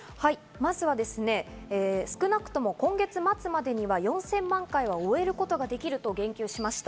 まずはですね、少なくとも今月末までには４０００万回を終えることができると言及しました。